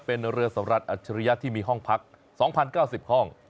เป็นเรือสำรัดอัจฉริยะที่มีห้องพัก๒๐๙๐ห้อง